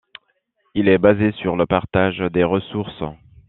Il est basé sur le partage des ressources.